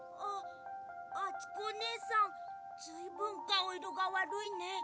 「ああつこおねえさんずいぶんかおいろがわるいね」。